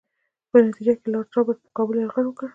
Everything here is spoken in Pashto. په نتیجه کې لارډ رابرټس پر کابل یرغل وکړ.